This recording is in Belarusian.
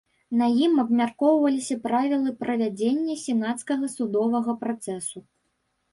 На ім абмяркоўваліся правілы правядзення сенацкага судовага працэсу.